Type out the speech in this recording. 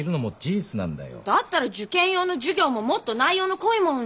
だったら受験用の授業ももっと内容の濃いものにして。